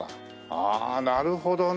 ああなるほどね。